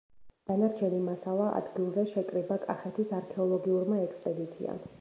დანარჩენი მასალა ადგილზე შეკრიბა კახეთის არქეოლოგიურმა ექსპედიციამ.